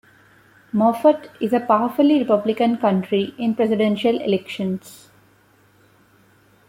Moffat is a powerfully Republican county in Presidential elections.